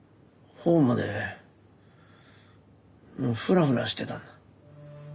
ホームでフラフラしてたんだ。